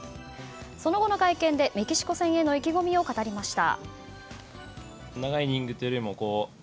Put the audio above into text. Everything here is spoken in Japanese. その後の会見でメキシコ戦への意気込みを語りました。